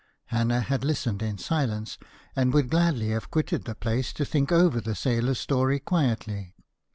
Hannah had listened in silence, and would gladly have quitted the place, to think over the sailor's story quietly.